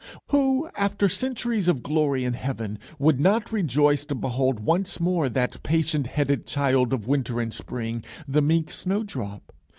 Who, after centuries of glory in heaven, would not rejoice to behold once more that patient headed child of winter and spring, the meek snowdrop?